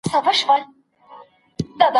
ولې سياست خوځنده ځانګړنه لري؟